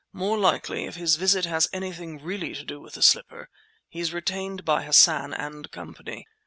More likely if his visit has anything really to do with the slipper he's retained by Hassan and Company.